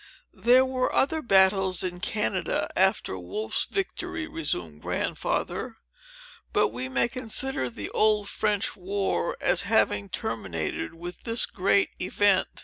"There were other battles in Canada, after Wolfe's victory," resumed Grandfather; "but we may consider the Old French War as having terminated with this great event.